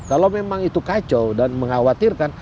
kalau memang itu kacau dan mengkhawatirkan